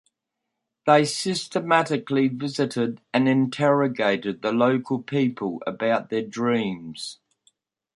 They systematically visited and interrogated the local people about their dreams.